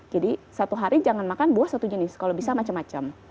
jadi satu hari jangan makan buah satu jenis kalau bisa macam macam